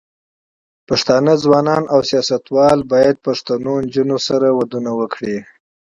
پښتانه ځوانان او سياستوال بايد پښتنو نجونو سره ودونه وکړي.